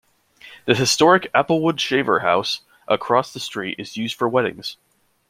The historic 'Applewood' Shaver House across the street is used for weddings.